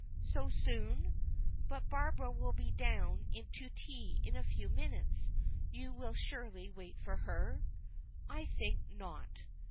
"So soon? But Barbara will be down to tea in a few minutes. You will surely wait for her?" "I think not."